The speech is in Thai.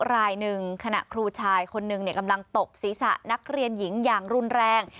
รายหนึ่งขณะครูชายคนหนึ่งกำลังตบศีรษะนักเรียนหญิงอย่างรุนแรง